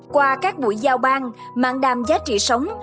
qua các buổi giao bang mạng đàm giá trị sống